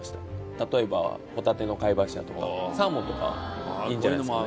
例えばホタテの貝柱とかサーモンとかいいんじゃないですかね